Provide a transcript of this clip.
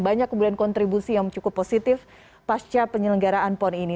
banyak kemudian kontribusi yang cukup positif pasca penyelenggaraan pon ini